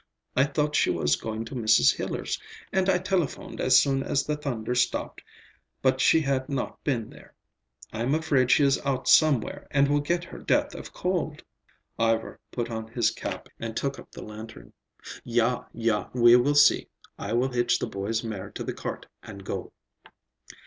I thought she was going to Mrs. Hiller's, and I telephoned as soon as the thunder stopped, but she had not been there. I'm afraid she is out somewhere and will get her death of cold." Ivar put on his cap and took up the lantern. "Ja, ja, we will see. I will hitch the boy's mare to the cart and go."